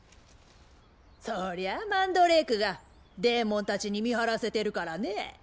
そりゃあマンドレークがデーモンたちに見張らせてるからね。